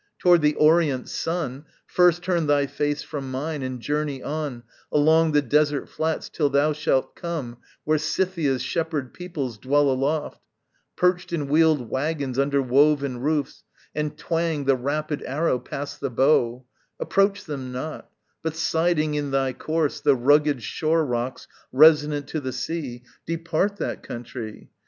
Toward the orient sun First turn thy face from mine and journey on Along the desert flats till thou shalt come Where Scythia's shepherd peoples dwell aloft, Perched in wheeled waggons under woven roofs, And twang the rapid arrow past the bow Approach them not; but siding in thy course The rugged shore rocks resonant to the sea, Depart that country.